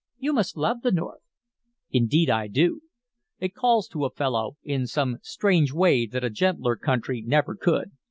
You must love the North." "Indeed I do! It calls to a fellow in some strange way that a gentler country never could.